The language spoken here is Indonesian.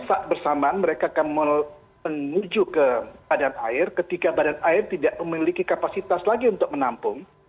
saat bersamaan mereka akan menuju ke badan air ketika badan air tidak memiliki kapasitas lagi untuk menampung